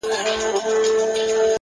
اخلاق د شخصیت تلپاتې ارزښت دی!.